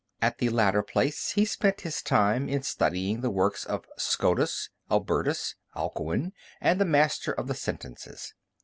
At the latter place he spent his time in studying the works of Scotus, Albertus, Alcuin, and the Master of the Sentences.